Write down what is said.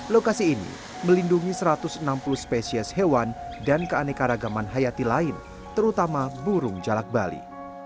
lokasi ini melindungi satu ratus enam puluh spesies hewan dan keanekaragaman hayati lain terutama burung jalak bali